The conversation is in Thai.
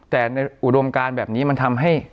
แต่ในอุดมการแบบนี้มันทำให้